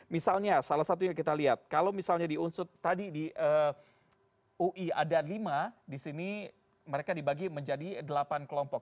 misalnya salah satunya kita lihat kalau misalnya di unsud tadi di ui ada lima disini mereka dibagi menjadi delapan kelompok